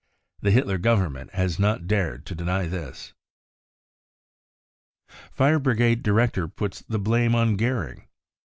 Xhc Hitler Government has not dared to deny this. Fire Brigade Director puts the blame on Goering.